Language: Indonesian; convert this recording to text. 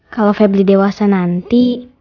kalau pebri dewasa nanti